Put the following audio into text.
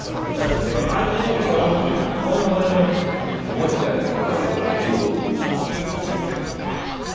こぼしちゃうよキーボードに。